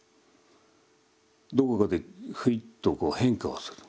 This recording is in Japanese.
どこかでふいっとこう変化をする。